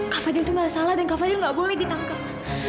kapan itu nggak salah dan kak fadil nggak boleh ditangkap